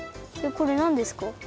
これなんですか？